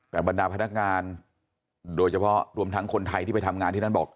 แต่บรรดาพนักงานโดยเฉพาะรวมทั้งคนไทยที่ไปทำงานที่นั่นบอก